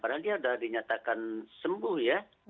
padahal dia sudah dinyatakan sembuh ya